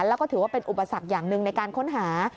แล้วก็ถือว่าเป็นอุปสรรคอย่างหนึ่งในการค้นหา